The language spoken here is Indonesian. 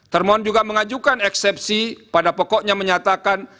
termohon juga mengajukan eksepsi pada pokoknya menyatakan